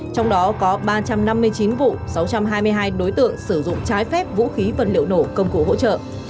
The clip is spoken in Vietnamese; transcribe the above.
trong đó có ba trăm năm mươi chín vụ sáu trăm hai mươi hai đối tượng sử dụng trái phép vũ khí vật liệu nổ công cụ hỗ trợ